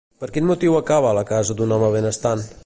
Per quin motiu acaba a la casa d'un home benestant?